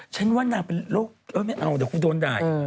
ฉันว่าน่าเป็นโรคเอ้าเดี๋ยวคุณโดนได้